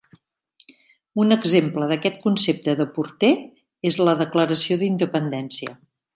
Un exemple d'aquest concepte de Porter és la Declaració d'Independència.